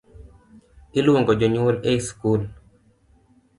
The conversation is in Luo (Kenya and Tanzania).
Iluongo jonyuol ie skul .